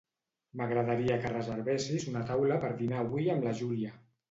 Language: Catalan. M'agradaria que reservessis una taula per dinar avui amb la Júlia.